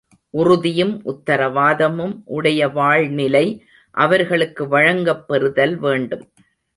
உறுதியும் உத்தரவாதமும் உடைய வாழ்நிலை அவர்களுக்கு வழங்கப்பெறுதல் வேண்டும்.